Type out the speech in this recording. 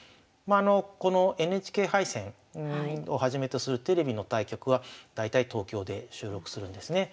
このＮＨＫ杯戦をはじめとするテレビの対局は大体東京で収録するんですね。